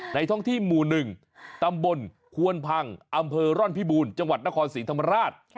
ท้องที่หมู่๑ตำบลควนพังอำเภอร่อนพิบูรณ์จังหวัดนครศรีธรรมราช